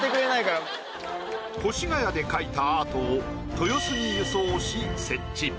越谷で描いたアートを豊洲に輸送し設置。